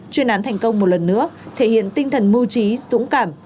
chuyên án thành công một lần nữa thể hiện tinh thần mưu trí dũng cảm